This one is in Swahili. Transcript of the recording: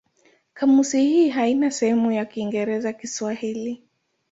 Kamusi hii haina sehemu ya Kiingereza-Kiswahili.